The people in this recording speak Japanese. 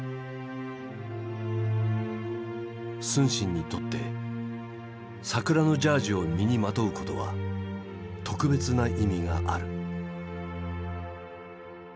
承信にとって「桜のジャージ」を身にまとうことは特別な意味がある。